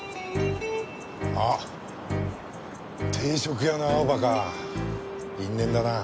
あっ定食屋の「アオバ」か因縁だなあ。